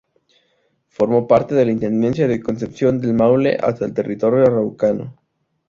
Formó parte de la Intendencia de Concepción del Maule hasta el territorio araucano.